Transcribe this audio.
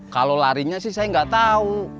kalo larinya sih saya gak tau